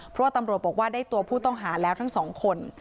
เพราะว่าตำรวจบอกว่าได้ตัวผู้ต้องหาแล้วทั้งสองคน